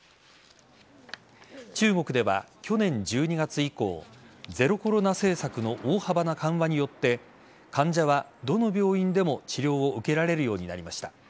中国では去年１２月以降ゼロコロナ政策の大幅な緩和によって患者は、どの病院でも治療を受けられるようになりました。